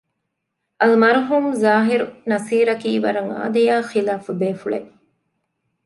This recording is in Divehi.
އަލްމަރްޙޫމް ޒާހިރު ނަޞީރަކީ ވަރަށް އާދަޔާ ޚިލާފު ބޭފުޅެއް